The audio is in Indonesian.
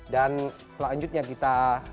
dan selanjutnya kita